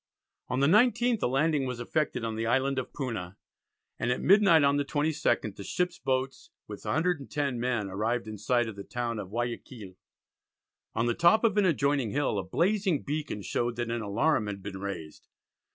On the 19th a landing was effected on the Island of Puna, and at midnight on the 22nd, the ships' boats with 110 men arrived in sight of the town of Guiaquil. On the top of an adjoining hill a blazing beacon showed that an alarum had been raised.